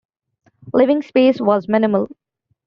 Living space was minimal.